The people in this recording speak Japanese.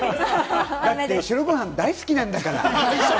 だって、白ご飯大好きなんだから。